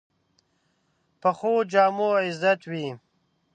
پخو جامو عزت وي